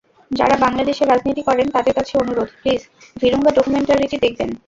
যাঁরা বাংলাদেশে রাজনীতি করেন, তাঁদের কাছে অনুরোধ, প্লিজ, ভিরুঙ্গা ডকুমেন্টারিটি দেখবেন।